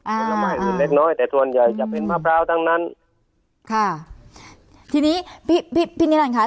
อ่าแต่ส่วนใหญ่จะเป็นมะพร้าวตั้งนั้นค่ะทีนี้พี่พี่พี่นิรันดิ์คะ